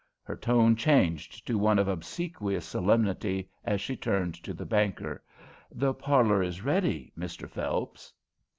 Her tone changed to one of obsequious solemnity as she turned to the banker: "The parlour is ready, Mr. Phelps."